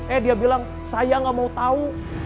eh dia bilang saya nggak mau tau